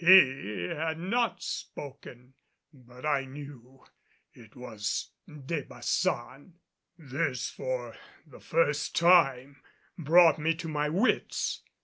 He had not spoken; but I knew it was De Baçan. This for the first time brought me to my wits.